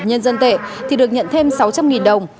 nhân dân tệ thì được nhận thêm sáu trăm linh đồng